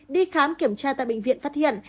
đi khám kiểm tra tại bệnh viện phát hiện